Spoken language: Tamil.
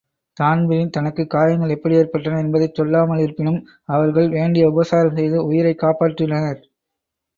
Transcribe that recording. தான்பிரின் தனக்குக் காயங்கள் எப்படியேற்பட்டன என்பதைச்சொல்லாம லிருப்பினும், அவர்கள் வேண்டிய உபசாரம் செய்து உயிரைக்காப்பாள்றினர்.